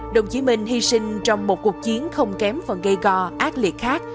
đồng chí minh hy sinh trong một cuộc chiến không kém và gây gò ác liệt khác